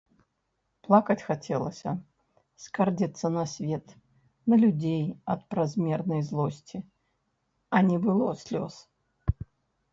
Плакаць хацелася, скардзіцца на свет, на людзей ад празмернай злосці, а не было слёз.